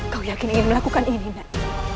kau yakin ingin melakukan ini nak